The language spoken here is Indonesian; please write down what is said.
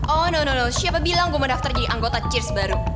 oh no no no siapa bilang gue mau daftar jadi anggota cheers baru